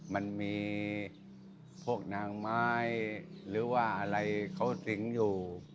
มันมีพวกนางไม้หรือว่าอะไรเขาสิงอยู่